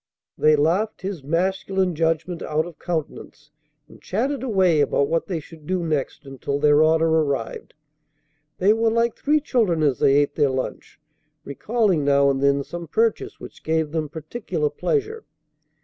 They laughed his masculine judgment out of countenance, and chatted away about what they should do next, until their order arrived. They were like three children as they ate their lunch, recalling now and then some purchase which gave them particular pleasure.